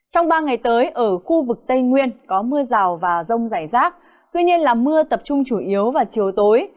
trong ba ngày tới ở khu vực tây nguyên có mưa rào và rông rải rác tuy nhiên là mưa tập trung chủ yếu vào chiều tối